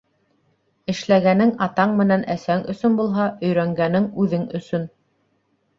Эшләгәнең атаң менән әсәң өсөн булһа, өйрәнгәнең үҙең өсөн.